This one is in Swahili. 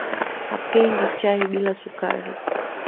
Hapendi chai bila sukari.